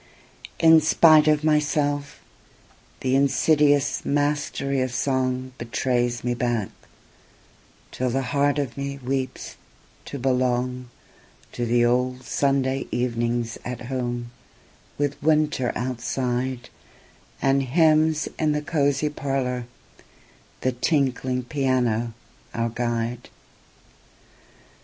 In spite of myself, the insidious mastery of songBetrays me back, till the heart of me weeps to belongTo the old Sunday evenings at home, with winter outsideAnd hymns in the cosy parlour, the tinkling piano our guide.